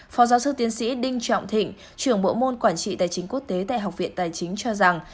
phó giáo sư tiến sĩ đinh trọng thịnh trưởng bộ môn quản trị tài chính quốc tế tại học viện tài chính cho rằng